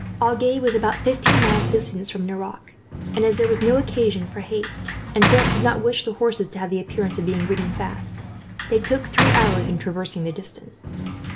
Agen was about fifteen miles distance from Nerac, and as there was no occasion for haste, and Philip did not wish the horses to have the appearance of being ridden fast, they took three hours in traversing the distance.